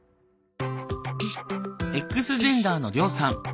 Ｘジェンダーのリョウさん。